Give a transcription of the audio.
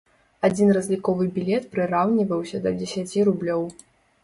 Адзін разліковы білет прыраўніваўся да дзесяці рублёў.